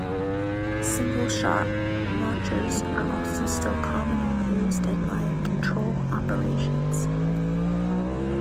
Single shot launchers are also still commonly used in riot control operations.